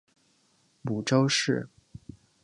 母邹氏。